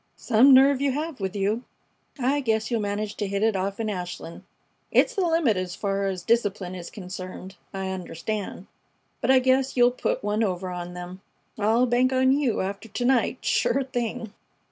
"Some nerve you have with you. I guess you'll manage to hit it off in Ashland. It's the limit as far as discipline is concerned, I understand, but I guess you'll put one over on them. I'll bank on you after to night, sure thing!"